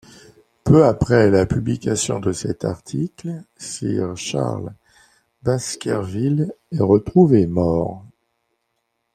Peu après la publication de cet article, Sir Charles Baskerville est retrouvé mort.